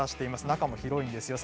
中も広いんですよ